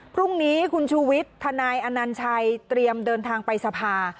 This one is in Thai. พรุ่งนี้คุณชูวิทย์ทนายอนัญชัยเตรียมเดินทางไปสภา